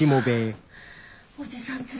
おじさん